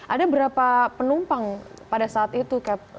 ada berapa penumpang pada saat itu cap